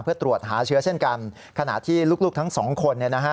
เพื่อตรวจหาเชื้อเช่นกันขณะที่ลูกทั้งสองคน